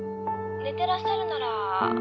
寝てらっしゃるなら。